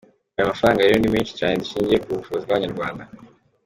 Ayo mafaranga rero ni menshi cyane dushingiye ku bushobozi bw’abanyarwanda.